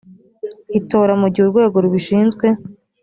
itora mu gihe urwego rubishinzwe